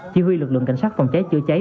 chỉ huy lực lượng cảnh sát phòng cháy chữa cháy